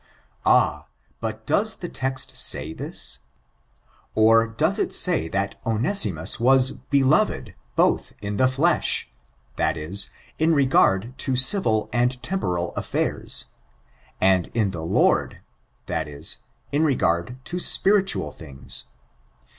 Ah I but does the text say this 1 Or j^oes it say that Onesimus was beloved — ''both in the flesh" — that is, in regard to civil and temporal affairs, '* and in the Lord" — that is, in regard to spiritual things